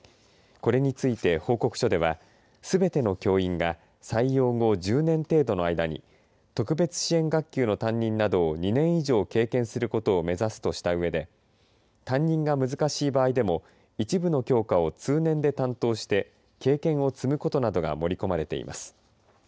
これについて報告書ではすべての教員が採用後１０年程度の間に特別支援学級の担任などを２年以上経験することを目指すとしたうえで担任が難しい場合でも一部の教科を通年で担当して経験を積むことなどが盛り込まれています。